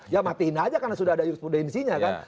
ya matiin aja karena sudah ada jurisprudensinya kan